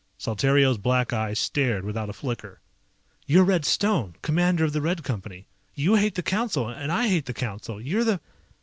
Saltario's black eyes stared without a flicker. "You're Red Stone, Commander of the Red Company. You hate the Council and I hate the Council. You're the